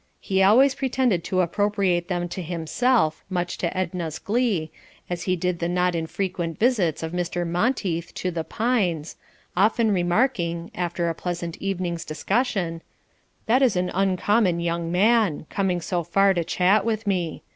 He always pretended to appropriate them to himself, much to Edna's glee, as he did the not infrequent visits of Mr. Monteith to "The Pines," often remarking, after a pleasant evening's discussion "That is an uncommon young man, coming so far to chat with me.